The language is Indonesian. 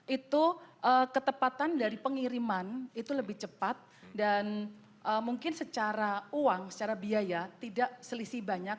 itu ketepatan dari pengiriman itu lebih cepat dan mungkin secara uang secara biaya tidak selisih banyak